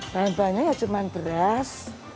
bahan bahannya ya cuma beras